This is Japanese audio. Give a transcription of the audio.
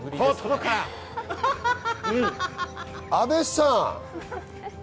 阿部さん？